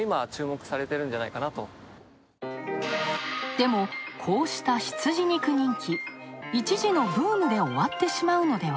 でも、こうした羊肉人気一時のブームで終わってしまうのでは？